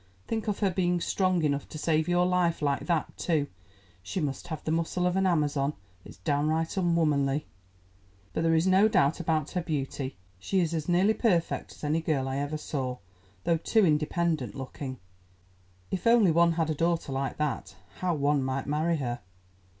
Think of her being strong enough to save your life like that too. She must have the muscle of an Amazon—it's downright unwomanly. But there is no doubt about her beauty. She is as nearly perfect as any girl I ever saw, though too independent looking. If only one had a daughter like that, how one might marry her.